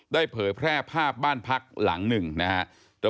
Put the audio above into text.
เผยแพร่ภาพบ้านพักหลังหนึ่งนะครับ